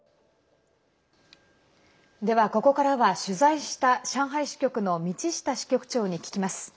では、ここからは取材した上海支局の道下支局長に聞きます。